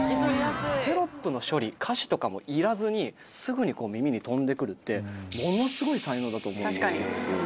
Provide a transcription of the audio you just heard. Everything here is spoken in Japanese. テロップの処理歌詞とかもいらずにすぐにこう耳に飛んでくるってものスゴい才能だと思うんですよ